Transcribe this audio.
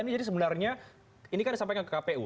jadi sebenarnya ini kan sampai ke kpu